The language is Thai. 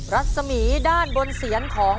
รัศมีด้านบนเสียนของ